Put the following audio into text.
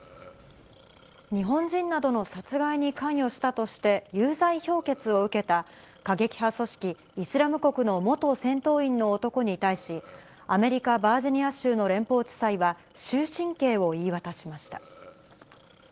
日本人などの殺害に関与したとして有罪評決を受けた、過激派組織イスラム国の元戦闘員の男に対し、アメリカ・バージニア州の連邦地裁は、終身刑を言い渡しました。